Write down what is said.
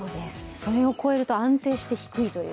それを超えると安定して低いという。